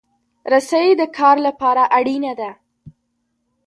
رسۍ د کار لپاره اړینه ده.